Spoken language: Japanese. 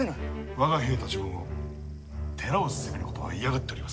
我が兵たちも寺を攻めることは嫌がっております。